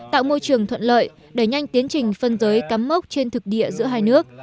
tạo môi trường thuận lợi đẩy nhanh tiến trình phân giới cắm mốc trên thực địa giữa hai nước